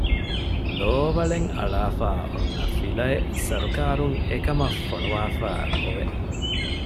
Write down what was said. ލޯވަޅެއް އަޅާފައިއޮންނަ ފިލައެއް ސަރުކާރުން އެކަމަށް ފޮނުވާފައި އޮވެ